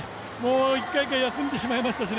一回一回休んでしまいましたし、